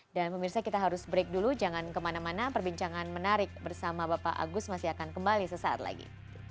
dan pemirsa kita harus break dulu jangan kemana mana perbincangan menarik bersama bapak agus masih akan kembali sesaat lagi